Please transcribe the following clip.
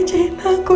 tidak ada apa apa